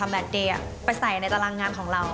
แมทเดย์ไปใส่ในตารางงานของเรา